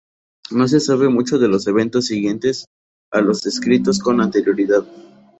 No se sabe mucho de los eventos siguientes a los descritos con anterioridad.